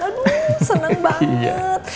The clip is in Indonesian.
aduh senang banget